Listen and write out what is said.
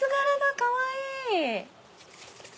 かわいい。